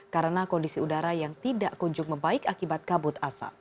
karena kondisi udara yang tidak kunjung membaik akibat kabut asap